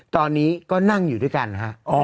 ตอนนี้ก็นั่งอยู่ด้วยกันฮะ